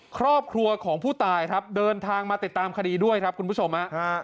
ครอบครัวของผู้ตายครับเดินทางมาติดตามคดีด้วยครับคุณผู้ชมฮะ